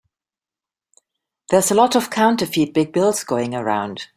There's a lot of counterfeit big bills going around.